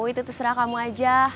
itu terserah kamu aja